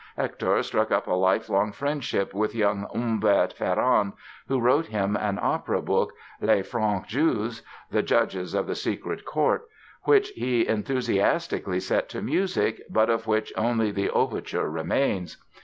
Hector struck up a life long friendship with young Humbert Ferrand, who wrote him an opera book, "Les Franc Juges"—"The Judges of the Secret Court"—which he enthusiastically set to music but of which only the overture remains.